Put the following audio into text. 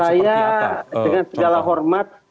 saya dengan segala hormat